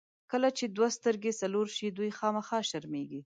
کله چې دوه سترګې څلور شي، دوې خامخا شرمېږي.